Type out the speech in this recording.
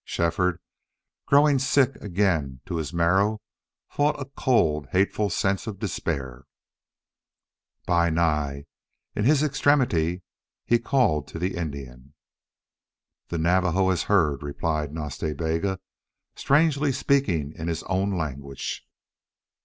Shefford, growing sick again to his marrow, fought a cold, hateful sense of despair. "Bi Nai!" In his extremity he called to the Indian. "The Navajo has heard," replied Nas Ta Bega, strangely speaking in his own language.